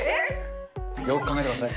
よーく考えてください。